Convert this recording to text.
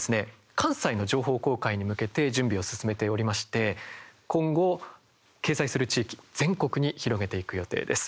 関西の情報公開に向けて準備を進めておりまして今後、掲載する地域全国に広げていく予定です。